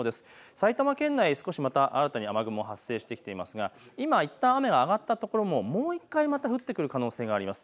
埼玉県内、少しまた雨雲が発生してきていますが今いったん雨が上がった所ももう１回また降ってくる可能性があります。